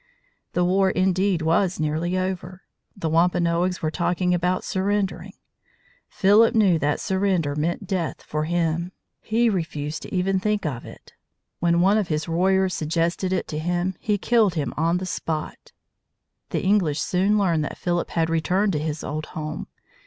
The war indeed was nearly over. The Wampanoags were talking about surrendering. Philip knew that surrender meant death for him. He refused even to think of it. When one of his warriors suggested it to him he killed him on the spot. The English soon learned that Philip had returned to his old home.